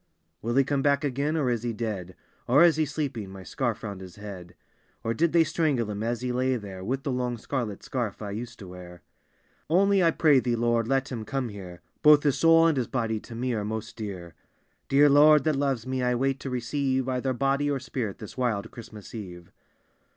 Will he come back again or is he dead? Or is be sleeping, my scarl round his head ? Or did they strangle him as he lay there, With the long scarlet scarf I used to wear? Only I pray thee, Lord, let him omie here; Both bis soul and his body to me are most dear. Dear Lord, that loves me, I wait to receive Either body or spirit this wild Christmas eve.